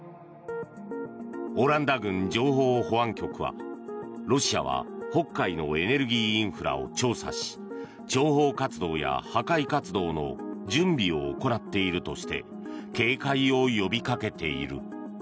オランダ軍情報保安局はロシアは北海のエネルギーインフラを調査し諜報活動や破壊活動の準備を行っているとして警戒を呼びかけている。